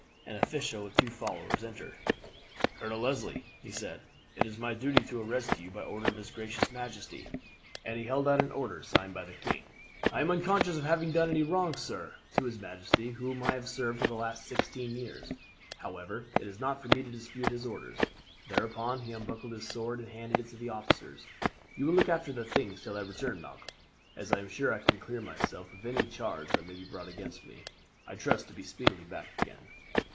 An official with two followers entered. "'Colonel Leslie,' he said, 'it is my duty to arrest you by order of his gracious majesty;' and he held out an order signed by the king. "'I am unconscious of having done any wrong, sir, to his majesty, whom I have served for the last sixteen years. However, it is not for me to dispute his orders;' thereupon he unbuckled his sword and handed it to the officers. 'You will look after the things till I return, Malcolm. As I am sure I can clear myself of any charge that may be brought against me, I trust to be speedily back again.